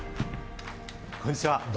こんにちは。